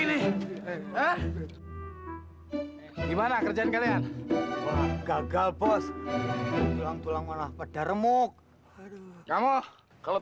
ini gimana kerjaan kalian gagal bos tulang tulang warna peda remuk kamu kalau